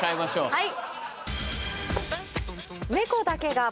はい！